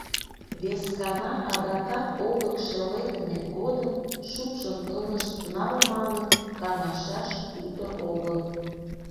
Вескана адакат олык шеледыме годым шупшын ынышт нал манын, каҥашаш уто огыл.